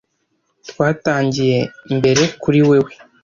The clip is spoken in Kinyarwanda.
twatangiye mbere kuri wewe